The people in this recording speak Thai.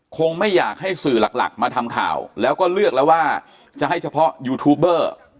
คงไม่อยากให้สื่อหลักมาทำข่าวแล้วก็เลือกแล้วว่าจะให้เฉพาะยูทูบเบอร์